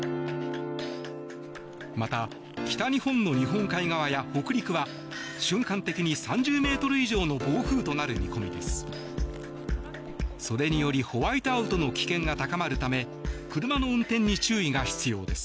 また、北日本の日本海側や北陸は瞬間的に３０ｍ以上の暴風となる見込みです。